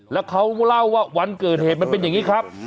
แล้วเขาเล่าว่าวันเกิดเหตุมันเป็นอย่างนี้ครับ